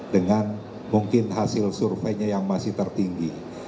dengan mungkin hasil surveinya yang masih tertinggi